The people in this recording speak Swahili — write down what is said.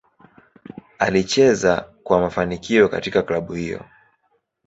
Alicheza kwa kwa mafanikio katika klabu hiyo.